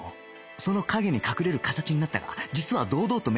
その陰に隠れる形になったが実は堂々とメインを張れる